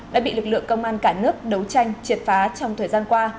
đã bị lực lượng công an cả nước đấu tranh triệt phá trong thời gian qua